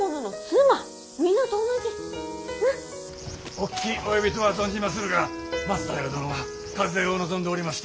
お聞き及びとは存じまするが松平殿は加勢を望んでおりまして。